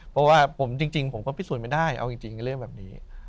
เพราะว่าผมจริงผมก็พิสูจน์ไม่ได้เอาจริงเรื่องแบบนี้